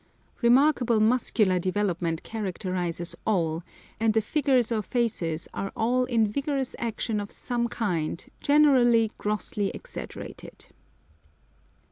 Remarkable muscular development characterises all, and the figures or faces are all in vigorous action of some kind, generally grossly exaggerated.